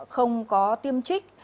không có tiêm trích